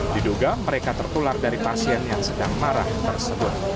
diduga mereka tertular dari pasien yang sedang marah tersebut